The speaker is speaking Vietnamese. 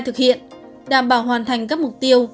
thực hiện đảm bảo hoàn thành các mục tiêu